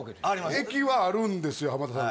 駅はあるんです浜田さん